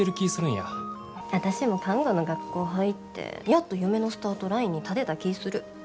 私も看護の学校入ってやっと夢のスタートラインに立てた気ぃする。